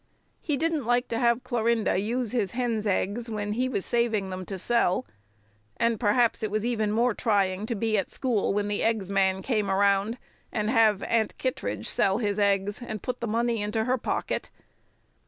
He didn't like to have Clorinda use his hens' eggs when he was saving them to sell, and perhaps it was even more trying to be at school when the eggs man came around, and have Aunt Kittredge sell his eggs and put the money into her pocket.